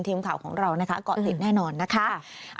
ทีมข่าวของเราก็ติดแน่นอนนะคะ